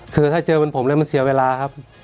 คือถ้าเจอเป็นผมแล้วมันเสียเวลาครับ